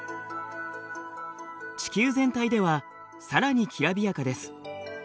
地球全体ではさらにきらびやかです。